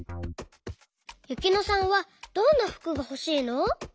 ゆきのさんはどんなふくがほしいの？